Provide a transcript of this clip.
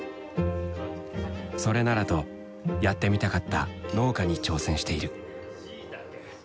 それならとやってみたかった農家に挑戦している。